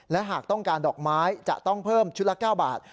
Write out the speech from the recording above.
และหากต้องการดอกไม้จะต้องเพิ่มชุดละ๙บาท